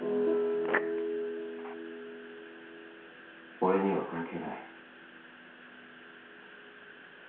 俺には関係ない